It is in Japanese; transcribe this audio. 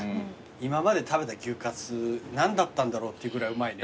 今まで食べた牛かつ何だったんだろうっていうぐらいうまいね。